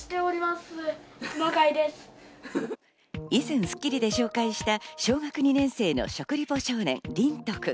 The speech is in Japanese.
以前『スッキリ』で紹介した小学２年生の食リポ少年、リントくん。